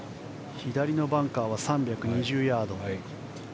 左のバンカーは３２０ヤード。